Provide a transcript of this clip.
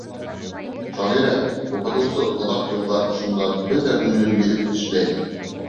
Шағирә, уҡытыусы оҙаҡ йылдар ошонда бөтә күңелен биреп эшләй.